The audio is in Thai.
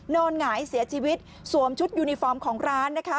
หงายเสียชีวิตสวมชุดยูนิฟอร์มของร้านนะคะ